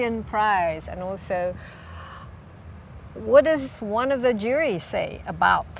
apa yang mengatakan seorang jurulatih